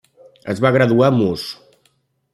Es va graduar Mus.